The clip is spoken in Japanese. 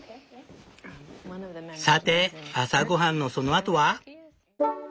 さて朝ごはんのそのあとは？